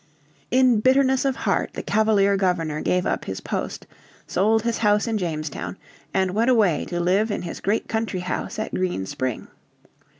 In bitterness of heart the Cavalier Governor gave up his post, sold his house in Jamestown, and went away to live in his great country house at Green Spring.